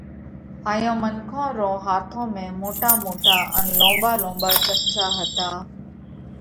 هائيون منکون رون هاٿون ۾ موٽا موٽا ان لونٻا لونٻا چمچا هتا